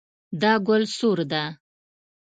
دا ګل سور ده